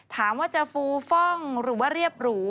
ถามว่าจะฟูฟ่องหรือว่าเรียบหรู